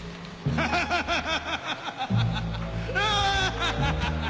ハッハハハハ！